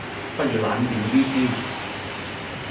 不如冷靜啲先